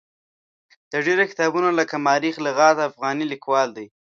د ډېرو کتابونو لکه ما رخ لغات افغاني لیکوال دی.